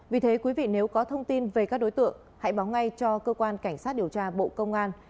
vì thế quý vị nếu có thông tin về các đối tượng hãy báo ngay cho cơ quan cảnh sát điều tra bộ công an